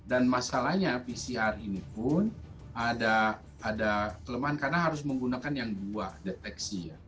dan masalahnya pcr ini pun ada kelemahan karena harus menggunakan yang dua deteksi